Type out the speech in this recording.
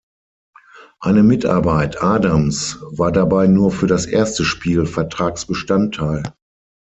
Eine Mitarbeit Adams' war dabei nur für das erste Spiel Vertragsbestandteil.